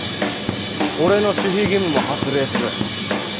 俺の守秘義務も発令する。